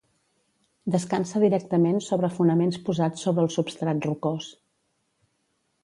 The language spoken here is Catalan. Descansa directament sobre fonaments posats sobre el substrat rocós.